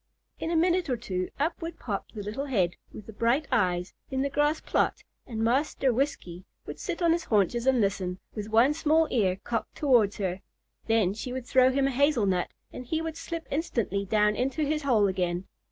In a minute or two up would pop the little head with the bright eyes, in the grass plot, and Master Whiskey would sit on his haunches and listen, with one small ear cocked towards her. Then she would throw him a hazel nut, and he would slip instantly down into his hole again.